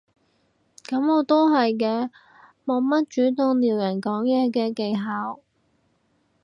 噉我都係嘅，冇乜主動撩人講嘢嘅技能